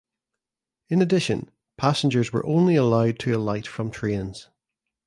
In addition passengers were only allowed to alight from trains.